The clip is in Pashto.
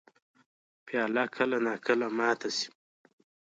پیاله کله نا کله ماته شي.